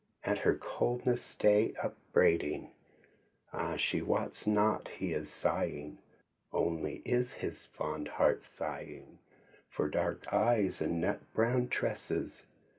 At her coldness stay upbraiding? Ah, she wots not he is sighing. Only is his fond heart sighing For dark eyes and nut brown tresses.